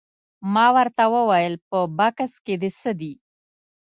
ما ورته وویل په بکس کې دې څه دي؟